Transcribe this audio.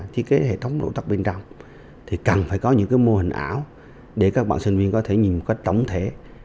thiết kế hệ thống nổ tắc bên trong thì cần phải có những mô hình ảo để các bạn sinh viên có thể nhìn một cách tổng thể